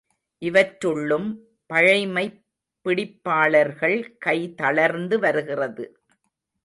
இவற்றுள்ளும் பழைமைப் பிடிப்பாளர்கள் கை தளர்ந்து வருகிறது.